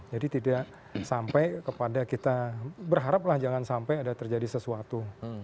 jadi tidak sampai kepada kita berharap lah jangan sampai ada terjadi sesuatu